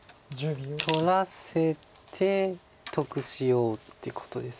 取らせて得しようってことです。